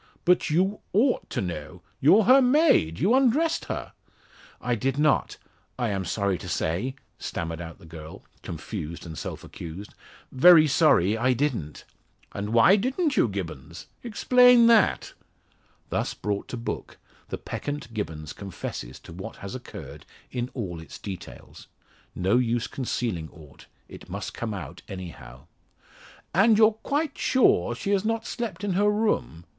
"But you ought to know. You're her maid you undressed her?" "I did not I am sorry to say," stammered out the girl, confused and self accused, "very sorry I didn't." "And why didn't you, Gibbons? explain that." Thus brought to book, the peccant Gibbons confesses to what has occurred in all its details. No use concealing aught it must come out anyhow. "And you're quite sure she has not slept in her room?"